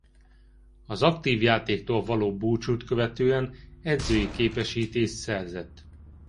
Az aktív játéktól való búcsút követően edzői képesítést szerzett.